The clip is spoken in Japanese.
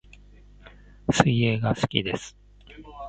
水泳が好きです